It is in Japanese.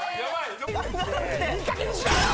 いいかげんにしろよ！